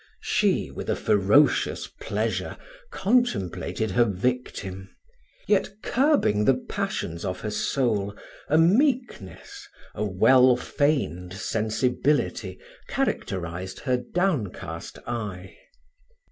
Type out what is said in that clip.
She, with a ferocious pleasure, contemplated her victim; yet, curbing the passions of her soul, a meekness, a wellfeigned sensibility, characterised her downcast eye.